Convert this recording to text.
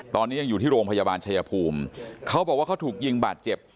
ตอนนี้ยังอยู่ที่โรงพยาบาลชายภูมิเขาบอกว่าเขาถูกยิงบาดเจ็บ